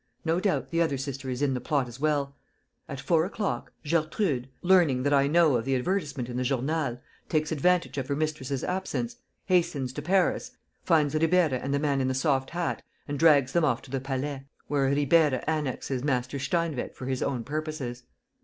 No doubt, the other sister is in the plot as well. At four o'clock, Gertrude, learning that I know of the advertisement in the Journal, takes advantage of her mistress's absence, hastens to Paris, finds Ribeira and the man in the soft hat and drags them off to the Palais, where Ribeira annexes Master Steinweg for his own purposes."